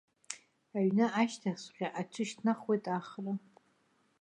Аҩны ашьҭахьҵәҟьа аҽышьҭнахуеит ахра.